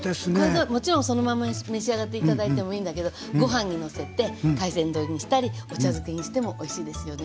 もちろんそのまんま召し上がって頂いてもいいんだけどご飯にのせて海鮮丼にしたりお茶漬けにしてもおいしいですよね。